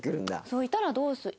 そういたらどうする。